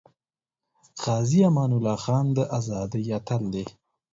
غازی امان الله خان د ازادی اتل دی